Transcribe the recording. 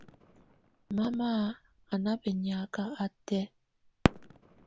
Mama á na bɛniaka átɛ̀á.